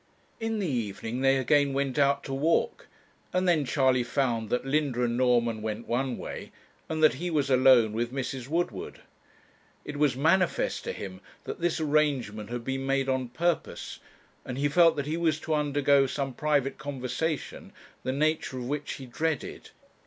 In the evening they again went out to walk, and then Charley found that Linda and Norman went one way, and that he was alone with Mrs. Woodward. It was manifest to him that this arrangement had been made on purpose, and he felt that he was to undergo some private conversation, the nature of which he dreaded.